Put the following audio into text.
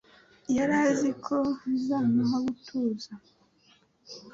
yari azi ko bizamuha gutuza